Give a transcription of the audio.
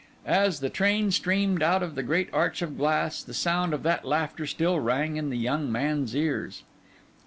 As the train steamed out of the great arch of glass, the sound of that laughter still rang in the young man's ears.